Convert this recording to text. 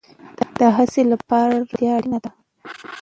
د هڅې لپاره روغتیا اړین ده